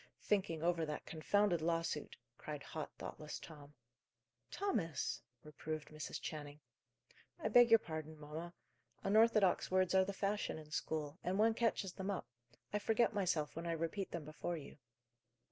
"Thinking over that confounded lawsuit," cried hot, thoughtless Tom. "Thomas!" reproved Mrs. Channing. "I beg your pardon, mamma. Unorthodox words are the fashion in school, and one catches them up. I forget myself when I repeat them before you."